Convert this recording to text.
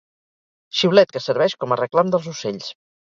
Xiulet que serveix com a reclam dels ocells.